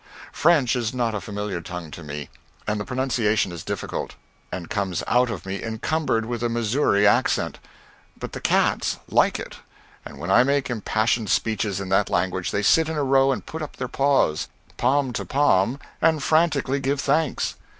French is not a familiar tongue to me, and the pronunciation is difficult, and comes out of me encumbered with a Missouri accent; but the cats like it, and when I make impassioned speeches in that language they sit in a row and put up their paws, palm to palm, and frantically give thanks.